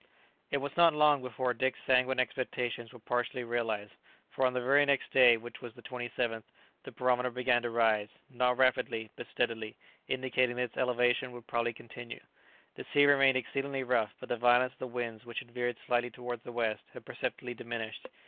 It was not long before Dick's sanguine expectations were partially realized, for on the very next day, which was the 27th, the barometer began to rise, not rapidly, but steadily, indicating that its elevation would probably continue. The sea remained exceedingly rough, but the violence of the wind, which had veered slightly towards the west, had perceptibly diminished.